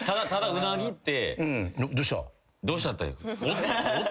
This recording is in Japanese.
うなぎって。